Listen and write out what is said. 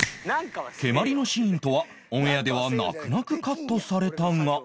蹴鞠のシーンとはオンエアでは泣く泣くカットされたが